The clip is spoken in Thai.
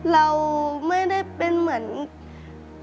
เราไม่ได้เหมือนคนพิการติดเตียง